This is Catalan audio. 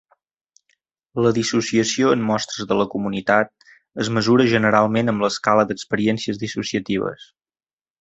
La dissociació en mostres de la comunitat es mesura generalment amb l'Escala d'Experiències Dissociatives.